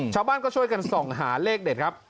ชาวบ้านก็ช่วยกันส่องหาเลขเด็ดครับ